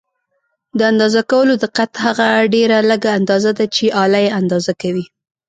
د اندازه کولو دقت هغه ډېره لږه اندازه ده چې آله یې اندازه کوي.